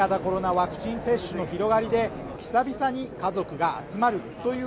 ワクチン接種の広がりで久々に家族が集まるという